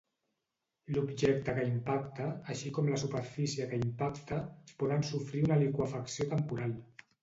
L'objecte que impacta, així com la superfície que impacta, poden sofrir una liqüefacció temporal.